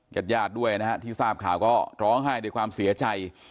ญาติญาติด้วยนะฮะที่ทราบข่าวก็ร้องไห้ด้วยความเสียใจ